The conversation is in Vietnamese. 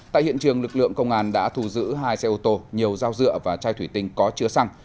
tại hiện trường lực lượng công an đã thu giữ hai xe ô tô nhiều dao dựa và chai thủy tinh có chứa xăng